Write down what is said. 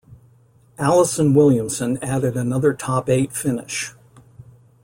Alison Williamson added another top eight finish.